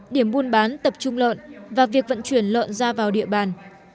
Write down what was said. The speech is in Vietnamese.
điểm buôn bán tập trung lợn và việc vận chuyển lợn ra vào địa bàn